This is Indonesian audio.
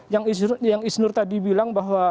yang isnur tadi bilang bahwa